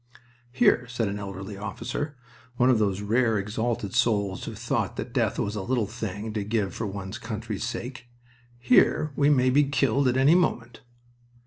"Here," said an elderly officer one of those rare exalted souls who thought that death was a little thing to give for one's country's sake "here we may be killed at any moment!"